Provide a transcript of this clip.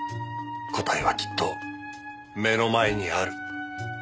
答えはきっと目の前にある。